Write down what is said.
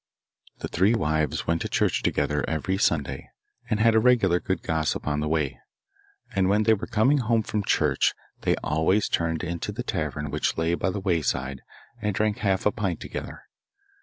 The three wives went to church together every Sunday, and had a regular good gossip on the way, and when they were coming home from church they always turned into the tavern which lay by the wayside and drank half a pint together.